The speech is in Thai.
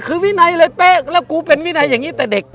คือวินัยเลยเป๊ะแล้วกูเป็นวินัยอย่างนี้แต่เด็ก